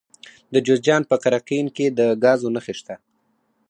د جوزجان په قرقین کې د ګازو نښې شته.